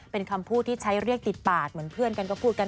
เป็นคำพูดที่ใช้เรียกติดปากเหมือนเพื่อนกันก็พูดกัน